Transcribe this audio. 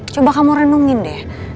coba kamu renungin deh